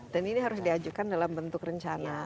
dan ini harus diajukan dalam bentuk rencana